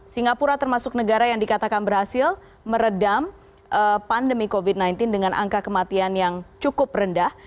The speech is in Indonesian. singapura termasuk negara yang dikatakan berhasil meredam pandemi covid sembilan belas dengan angka kematian yang cukup rendah